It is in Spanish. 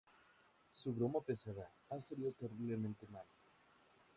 Su broma pesada ha salido terriblemente mal.